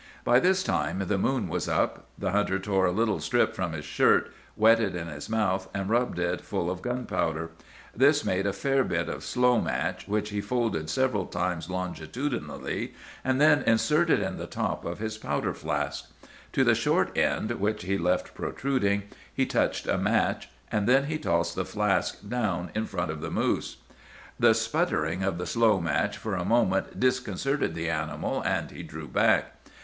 "By this time the moon was up. The hunter tore a little strip from his shirt, wet it in his mouth, and rubbed it full of gunpowder. This made a fair bit of slow match, which he folded several times longitudinally, and then inserted in the top of his powder flask. To the short end, which he left protruding, he touched a match; and then he tossed the flask down in front of the moose. "The sputtering of the slow match for a moment disconcerted the animal, and he drew back.